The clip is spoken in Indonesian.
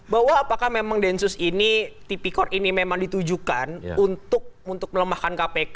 bahwa apakah memang densus ini tipikor ini memang ditujukan untuk melemahkan kpk